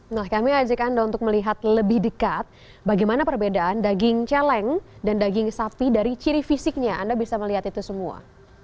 nah kami ajak anda untuk melihat lebih dekat bagaimana perbedaan daging celeng dan daging sapi dari ciri fisiknya anda bisa melihat itu semua